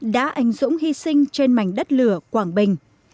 đã ảnh dũng hy sinh trên mảnh đất lửa quảng bình